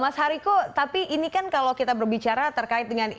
mas hariko tapi ini kan kalau kita berbicara terkait dengan